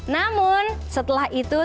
namun setelah itu